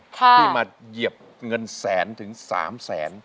ที่มาเหยียบเงินแสนถึง๓แสน